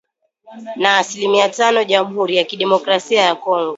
na asilimia tano Jamhuri ya Kidemokrasia ya Kongo